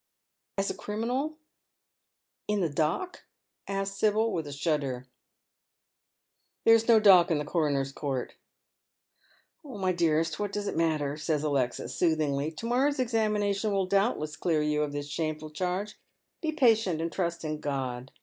'' As a criminal — in the dock ?" asks Sibyl, with a shudder. " There is no dock in the coroner's court." "My dearest, what does it matter?" says Alexis, eoothinj^ly. " To morrow's examination will doubtless clear you of this shameful charge. Be patient, and trust in God.